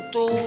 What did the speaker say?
iya pak deddy